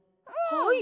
はい！